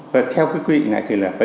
và theo cái quy định này thì là